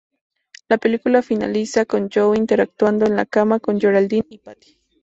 La película finaliza con Joe interactuando en la cama con Geraldine y Patti.